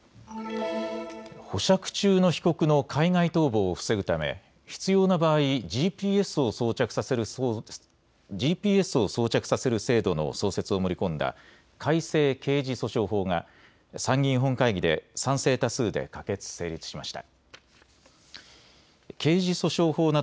保釈中の被告の海外逃亡を防ぐため必要な場合ＧＰＳを装着させる制度の創設を盛り込んだ改正刑事訴訟法が参議院本会議で賛成多数で可決・成立しました。